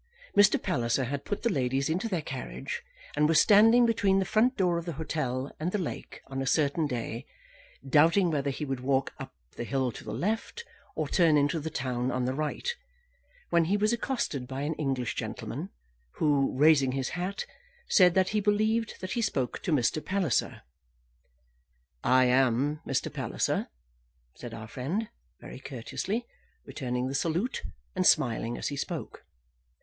Mr. Palliser had put the ladies into their carriage, and was standing between the front door of the hotel and the lake on a certain day, doubting whether he would walk up the hill to the left or turn into the town on the right, when he was accosted by an English gentleman, who, raising his hat, said that he believed that he spoke to Mr. Palliser. "I am Mr. Palliser," said our friend, very courteously, returning the salute, and smiling as he spoke.